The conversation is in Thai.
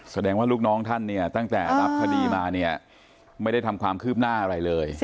แสดงว่าลูกน้องท่านเนี่ยตั้งแต่รับคดีมาเนี่ยไม่ได้ทำความคืบหน้าอะไรเลย